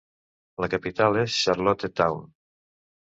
La capital és Charlottetown.